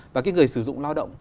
và cái người sử dụng lao động